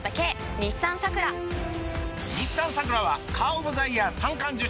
日産サクラはカーオブザイヤー三冠受賞！